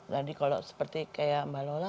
kalau seperti kayak mbak lola